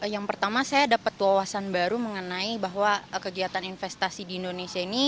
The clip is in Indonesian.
yang pertama saya dapat wawasan baru mengenai bahwa kegiatan investasi di indonesia ini